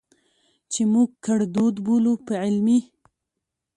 چې موږ ګړدود بولو، په علمي